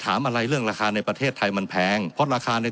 ถามอะไรเรื่องราคาในประเทศไทยมันแพงเพราะราคาใน